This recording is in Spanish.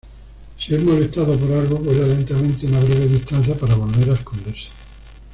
Si es molestado por algo, vuela lentamente una breve distancia para volver a esconderse.